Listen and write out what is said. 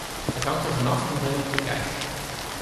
Het hangt ervan af hoe men het bekijkt.